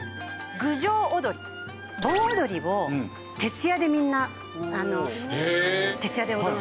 盆踊りを徹夜でみんな徹夜で踊る。